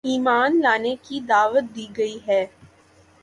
ایمان لانے کی دعوت دی گئی ہے